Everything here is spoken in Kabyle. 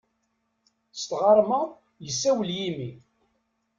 S tɣerma yessawel yimi.